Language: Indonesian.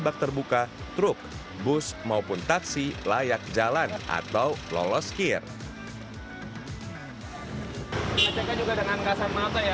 bakter buka truk bus maupun taksi layak jalan atau lolos kirk hai juga dengan kasar mata ya